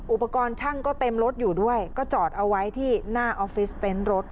อุปกรณ์ช่างก็เต็มรถอยู่ด้วยก็จอดเอาไว้ที่หน้าออฟฟิศเต็นต์รถ